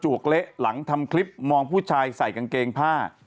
วกเละหลังทำคลิปมองผู้ชายใส่กางเกงผ้า